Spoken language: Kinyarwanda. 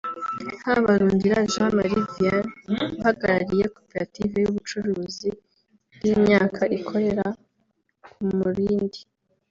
Habarugira Jean Marie Vianney uhagarariye Koperative y’Ubucuruzi bw’imyaka ikorera ku Murindi